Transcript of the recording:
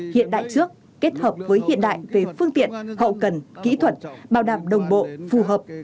hiện đại trước kết hợp với hiện đại về phương tiện hậu cần kỹ thuật bảo đảm đồng bộ phù hợp